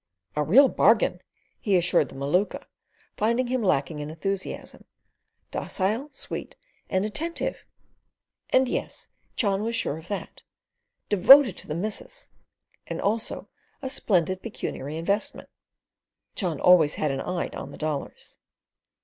"A real bargain!" he assured the Maluka, finding him lacking in enthusiasm; "docile, sweet, and attentive," and yes, Cheon was sure of that "devoted to the missus," and also a splendid pecuniary investment (Cheon always had an eye on the dollars).